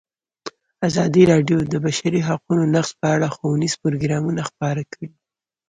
ازادي راډیو د د بشري حقونو نقض په اړه ښوونیز پروګرامونه خپاره کړي.